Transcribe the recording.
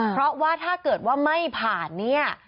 เพราะว่าถ้าเกิดว่าไม่ผ่านเนี่ย